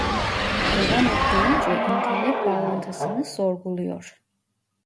Devam et deyince İnternet bağlantısını sorguluyor